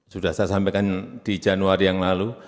sudah saya sampaikan di januari yang lalu